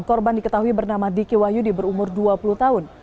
korban diketahui bernama diki wahyudi berumur dua puluh tahun